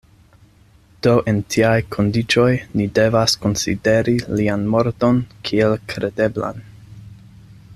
Do en tiaj kondiĉoj ni devas konsideri lian morton kiel kredeblan.